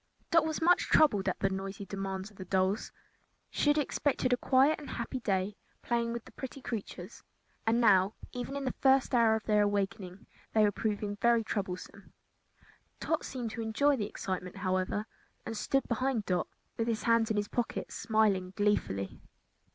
Dot was much troubled at the noisy demands of the dolls. She had expected a quiet and happy day playing with these pretty creatures, and now, even in the first hour of their awakening, they were proving very troublesome. Tot seemed to enjoy the excitement, however, and stood behind Dot, with his hands in his pockets, smiling gleefully.